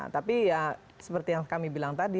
tapi ya seperti yang kami bilang tadi